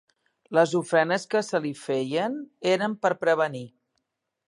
Les ofrenes que se li feien eren per prevenir.